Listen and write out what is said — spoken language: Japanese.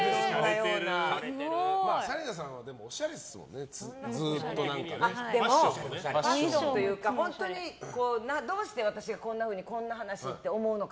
紗理奈さんはでも、ファッションというかどうして私がこんなふうにこんな話って思うのか